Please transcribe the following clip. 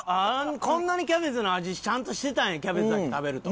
こんなにキャベツの味ちゃんとしてたんやキャベツ先に食べると。